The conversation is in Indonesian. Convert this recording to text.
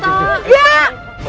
bisa jadi kayak gitu mbak